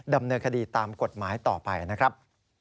ดำเนินคดีตามกฎหมายต่อไปนะครับ